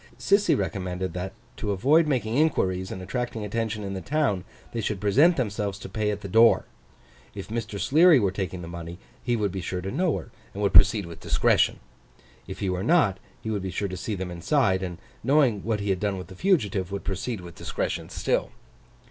Sissy recommended that, to avoid making inquiries and attracting attention in the town, they should present themselves to pay at the door. If Mr. Sleary were taking the money, he would be sure to know her, and would proceed with discretion. If he were not, he would be sure to see them inside; and, knowing what he had done with the fugitive, would proceed with discretion still.